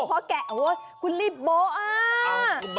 โบ๊ะคุณรีบโบ๊ะอ่าโบ๊ะ